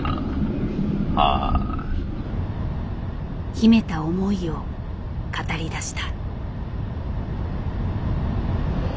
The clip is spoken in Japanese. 秘めた思いを語りだした。